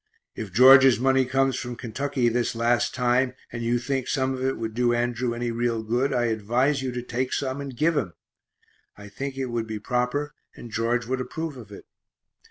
If George's money comes from Kentucky this last time, and you think some of it would do Andrew any real good, I advise you to take some and give him I think it would be proper and George would approve of it.